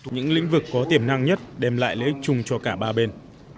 những lĩnh vực có tiềm năng nhất đem lại lợi ích chung cho cả ba bên